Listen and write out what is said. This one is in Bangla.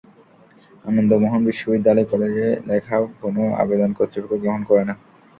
আনন্দ মোহন বিশ্ববিদ্যালয় কলেজ লেখা কোনো আবেদন কর্তৃপক্ষ গ্রহণ করে না।